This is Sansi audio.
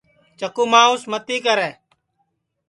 چکُو مانٚوس متی کرے